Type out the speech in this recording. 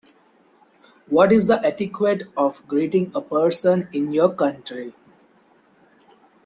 What is the etiquette of greeting a person in your country?